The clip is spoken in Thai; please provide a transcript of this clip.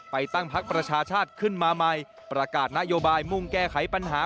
ตั้งพักประชาชาติขึ้นมาใหม่ประกาศนโยบายมุ่งแก้ไขปัญหา